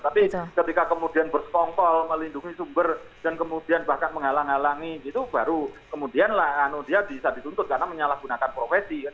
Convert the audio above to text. tapi ketika kemudian bersekongkol melindungi sumber dan kemudian bahkan menghalang halangi gitu baru kemudian dia bisa dituntut karena menyalahgunakan profesi kan